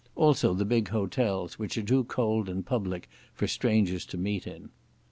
Also the big hotels, which are too cold and public for strangers to meet in."